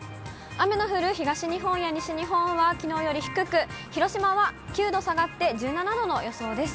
雨の降る東日本や西日本はきのうより低く、広島は９度下がって、１７度の予想です。